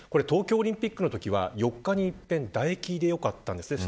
東京オリンピックのときは４日に１度唾液でよかったです。